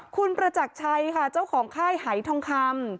คุณประจักรชัยค่ะเจ้าของค่ายหายทองคำ